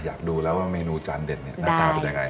อยากดูแล้วว่าเมนูจานเด่นนี่หน้าตาตัวจะยังไง